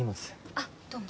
あっどうも。